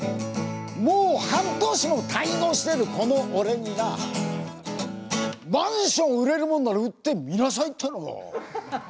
もう半年も滞納してるこの俺になマンション売れるもんなら売ってみなさいっての！